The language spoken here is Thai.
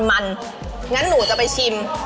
อย่างนั้นหนูจะไปชิม